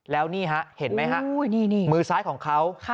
แล้วนี่ฮะเห็นไหมฮะมือซ้ายของเขา